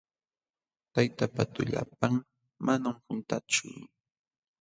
Tayta pa tullapan manam quntanchu.